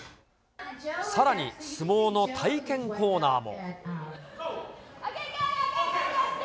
さらに、相撲の体験コーナーも。